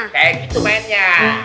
kayak gitu mainnya